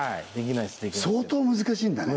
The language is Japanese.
相当難しいんだね？